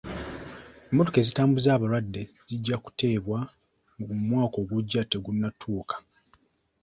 Emmotoka ezitambuza abalwadde zijja kuteebwa ng'omwaka ogujja tegunnatuuka.